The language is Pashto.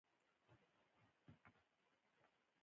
د ګل محمد په څېر قوماندانان په کې راټول شوي دي.